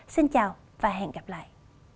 xin chào và hẹn gặp lại